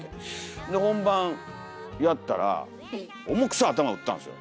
で本番やったらおもくそ頭打ったんすよ。